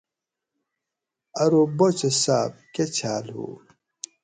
ارو باچہ صاۤب کہ چھاۤل ھو؟ٰ